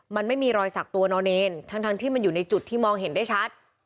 มันไม่มีรอยสักตัวนอเนรทั้งที่มันอยู่ในจุดที่มองเห็นได้ชัด